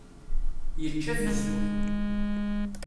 Yečča-t zzux.